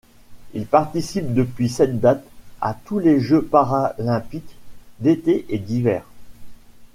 Il participe depuis cette date à tous les Jeux paralympiques d'été et d'hiver.